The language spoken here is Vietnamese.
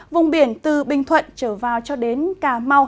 vùng biển từ bình thuận trở vào cho đến cà mau